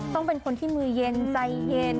ต้องเป็นคนที่มือเย็นใจเย็น